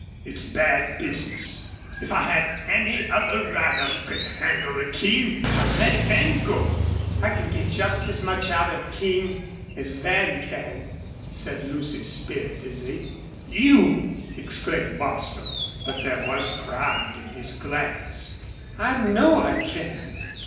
It's bad business. If I had any other rider who could handle the King I'd let Van go." "I can get just as much out of the King as Van can," said Lucy, spiritedly. "You!" exclaimed Bostil. But there was pride in his glance. "I know I can."